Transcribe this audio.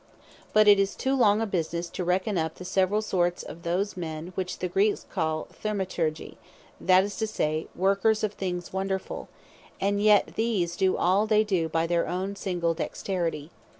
But it is too long a businesse, to reckon up the severall sorts of those men, which the Greeks called Thaumaturgi, that is to say, workers of things wonderfull; and yet these do all they do, by their own single dexterity.